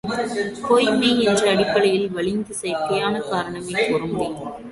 பொய் மெய் என்ற அடிப்படையில் வலிந்து செயற்கையான காரணமே கூற முடியும்.